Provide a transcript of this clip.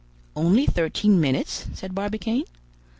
"Only thirteen minutes?" said Barbicane.